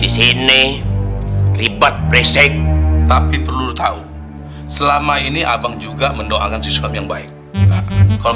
di sini ribat bresek tapi perlu tahu selama ini abang juga mendoakan sesuatu yang baik kalau